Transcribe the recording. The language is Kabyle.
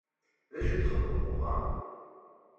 D acu txedmeḍ dɣa?